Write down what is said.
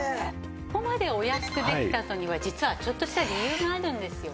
ここまでお安くできたのには実はちょっとした理由があるんですよね。